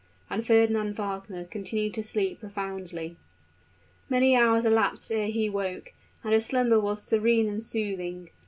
And Fernand Wagner continued to sleep profoundly. Many hours elapsed ere he woke; and his slumber was serene and soothing.